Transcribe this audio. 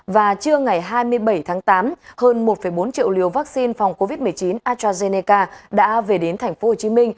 và trưa ngày hai mươi bảy tháng tám hơn một bốn triệu liều vaccine phòng covid một mươi chín astrazeneca đã về đến tp hcm